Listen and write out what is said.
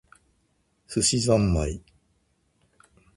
寿司ざんまい